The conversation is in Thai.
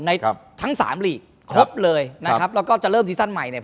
ทั้งสามหลีกครบเลยนะครับแล้วก็จะเริ่มซีซั่นใหม่เนี่ย